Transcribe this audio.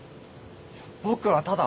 僕はただ。